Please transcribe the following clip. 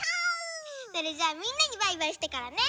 それじゃあみんなにバイバイしてからね。